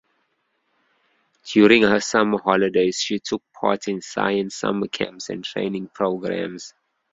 During her summer holidays she took part in science summer camps and training programs.